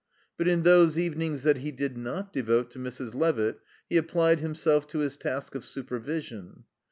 But in those evenings that he did not devote to Mrs. Levitt he applied himself to his task of supervision.